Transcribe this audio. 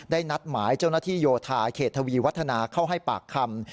นัดหมายเจ้าหน้าที่โยธาเขตทวีวัฒนาเข้าให้ปากคำ